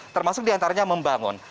termasuk diantaranya membangun